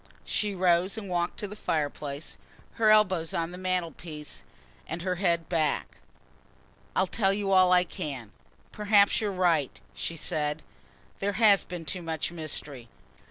She rose and walked to the fireplace, her elbows on the mantelpiece, and her head back. "I'll tell you all I can. Perhaps you're right," she said. "There has been too much mystery.